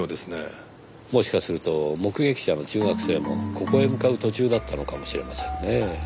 もしかすると目撃者の中学生もここへ向かう途中だったのかもしれませんねぇ。